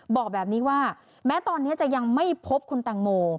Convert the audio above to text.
บอกแบบนี้ว่าแม้ตอนนี้จะยังไม่พบคุณตังโม